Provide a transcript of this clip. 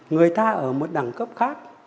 người ta ở một đẳng cấp khác